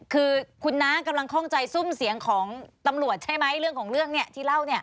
คือคุณน้ากำลังคล่องใจซุ่มเสียงของตำรวจใช่ไหมเรื่องของเรื่องที่เล่า